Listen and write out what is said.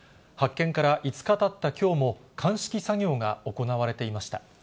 発見から５日たったきょうも、鑑識作業が行われていました。